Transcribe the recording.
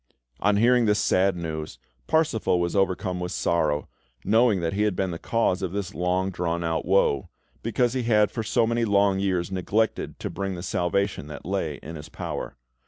On hearing this sad news, Parsifal was overcome with sorrow, knowing that he had been the cause of this long drawn out woe, because he had for so many long years neglected to bring the salvation that lay in his power.